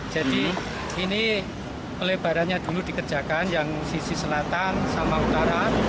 jadi ini pelebarannya dulu dikerjakan yang sisi selatan sama utara